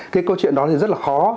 cái câu chuyện đó thì rất là khó